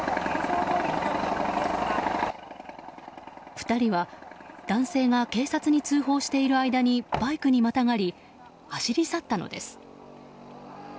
２人は男性が警察に通報している間にバイクにまたがり走り去ったのです。